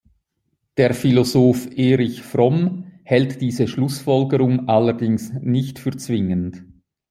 Der Philosoph Erich Fromm hält diese Schlussfolgerung allerdings nicht für zwingend.